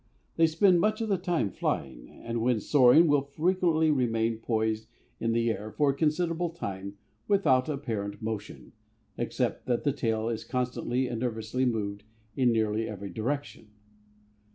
They spend much of the time flying, and when soaring will frequently remain poised in the air for a considerable time without apparent motion, except that the tail is constantly and nervously moved in nearly every direction.